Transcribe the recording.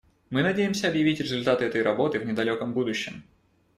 Мы надеемся объявить результаты этой работы в недалеком будущем.